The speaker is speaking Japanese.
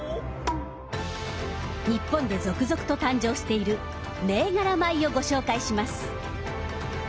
日本で続々と誕生している銘柄米をご紹介します。